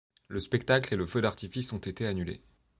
Le spectacle et le feu d'artifice ont été annulés.